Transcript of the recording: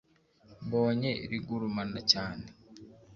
mbonye rigurumana cyane